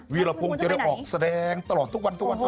วีรพงศ์จะออกแสดงตลอดทุกวัน